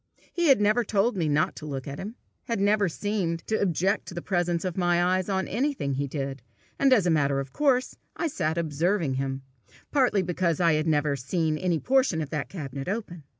He had never told me not to look at him, had never seemed to object to the presence of my eyes on anything he did, and as a matter of course I sat observing him, partly because I had never seen any portion of that cabinet open.